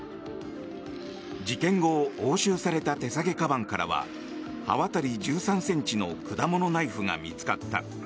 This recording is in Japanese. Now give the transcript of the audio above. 事件後、押収された手提げかばんからは刃渡り１３ｃｍの果物ナイフが見つかった。